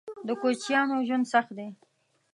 _د کوچيانو ژوند سخت دی.